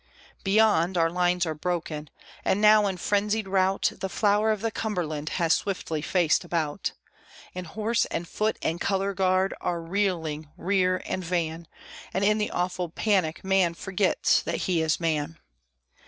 Beyond, our lines are broken; and now in frenzied rout The flower of the Cumberland has swiftly faced about; And horse and foot and color guard are reeling, rear and van, And in the awful panic man forgets that he is man.